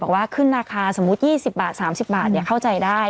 ว่าขึ้นราคาสมมุติ๒๐บาท๓๐บาทเข้าใจได้